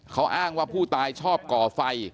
เขาอ้างว่าผู้ตายชอบก่อไฟ